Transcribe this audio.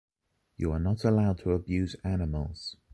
You are not allowed to abuse animals.